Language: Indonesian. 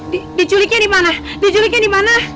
di di di culiknya di mana di culiknya di mana